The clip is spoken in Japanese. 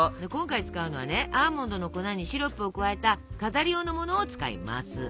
今回使うのはねアーモンドの粉にシロップを加えた飾り用のものを使います。